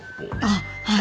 ああはい。